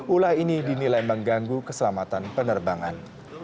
ulah ini dinilai mengganggu keselamatan penerbangan